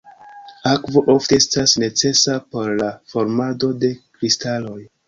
Akvo ofte estas necesa por la formado de kristaloj.